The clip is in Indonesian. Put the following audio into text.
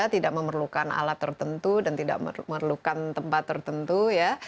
tidak memerlukan alat tertentu dan tidak memerlukan tempat tertentu ya